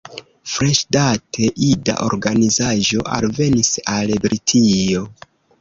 Freŝdate, ida organizaĵo alvenis al Britio.